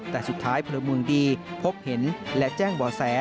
แต่สุดท้ายพลเมืองดีพบเห็นและแจ้งบ่อแส